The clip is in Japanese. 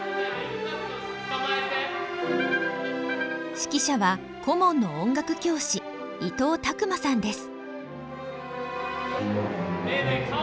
指揮者は顧問の音楽教師伊藤巧真さんです。